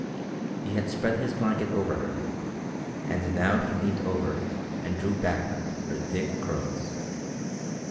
He had spread his blanket over her, and now he leaned over and drew back her thick curls.